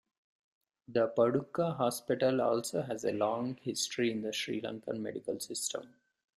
The Padukka hospital also has a long history in the Sri Lankan medical system.